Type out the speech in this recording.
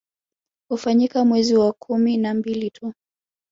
Hufanyika mwezi wa kumi na mbili tu